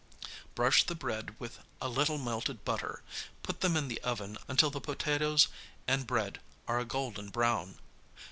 Brush the bread with a little melted butter, put them in the oven until the potatoes and bread are a golden brown.